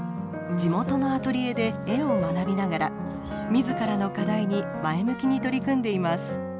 地元のアトリエで絵を学びながら自らの課題に前向きに取り組んでいます。